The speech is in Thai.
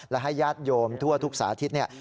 และให้ญาติโยมทั่วทุกสาทิตย์